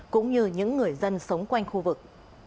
cũng như những người dân sống quanh khu vực